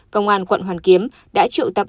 công an quận hoàn kiếm đã trự tập